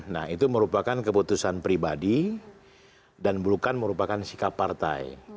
nah itu merupakan keputusan pribadi dan bukan merupakan sikap partai